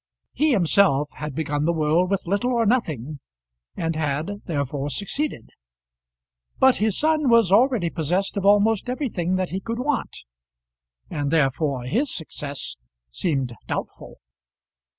He himself had begun the world with little or nothing, and had therefore succeeded; but his son was already possessed of almost everything that he could want, and therefore his success seemed doubtful.